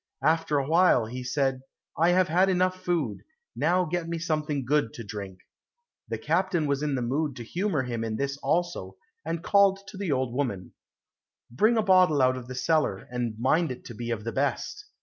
After a while he said, "I have had enough food, now get me something good to drink." The captain was in the mood to humour him in this also, and called to the old woman, "Bring a bottle out of the cellar, and mind it be of the best."